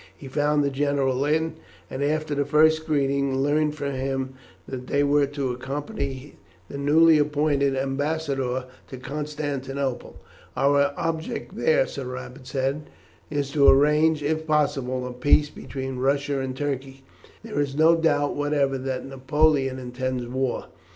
He found the general in, and after the first greetings, learned from him that they were to accompany the newly appointed ambassador to Constantinople. "Our object there," Sir Robert said, "is to arrange, if possible, a peace between Russia and Turkey. There is no doubt whatever that Napoleon intends war.